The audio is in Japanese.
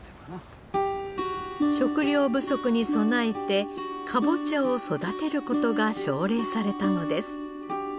食糧不足に備えてかぼちゃを育てる事が奨励されたのです。